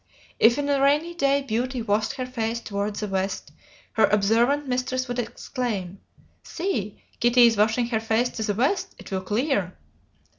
If in a rainy day Beauty washed her face toward the west, her observant mistress would exclaim: 'See, kitty is washing her face to the west. It will clear.'